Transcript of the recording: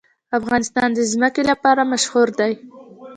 افغانستان د ځمکه لپاره مشهور دی.